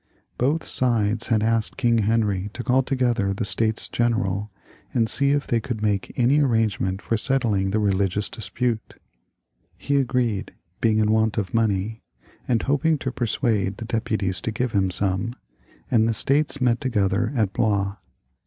Both sides had asked King Henry to call together the States General, and see if they could make any arrange ment for settling the religious dispute. He agreed, being in want of money, and hoping to persuade the deputies to give him some, and the States met together at Blois.